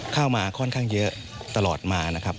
เข้ามาค่อนข้างเยอะตลอดมานะครับ